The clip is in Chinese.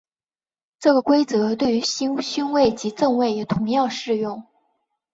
这个规则对于勋位及赠位也同样适用。